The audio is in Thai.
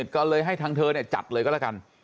ก็เลยให้ทางเธอจัดเลยก็แล้วกัน